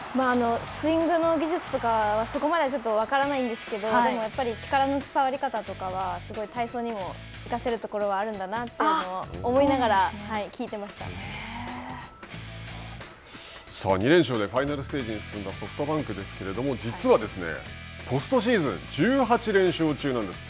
スイングの技術とかはそこまでちょっと分からないんですけど、でも、やっぱり力の伝わり方とかは、すごい体操にも生かせるところはあるんだなというのを思いながらさあ２連勝でファイナルステージに進んだソフトバンクですけれども、実は、ポストシーズン、１８連勝中なんです。